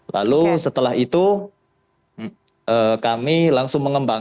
lalu setelah itu kami langsung mengembang